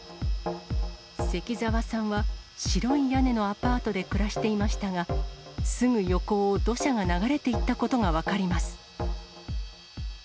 関澤さんは、白い屋根のアパートで暮らしていましたが、すぐ横を土砂が流れていったことが分かります。